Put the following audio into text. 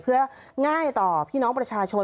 เพื่อง่ายต่อพี่น้องประชาชน